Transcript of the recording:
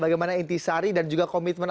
bagaimana inti sari dan juga komitmen